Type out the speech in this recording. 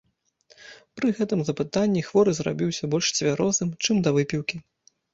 Пры гэтым запытанні хворы зрабіўся больш цвярозым, чым да выпіўкі.